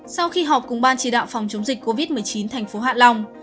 sau khi họp cùng ban chỉ đạo phòng chống dịch covid một mươi chín tp hạ long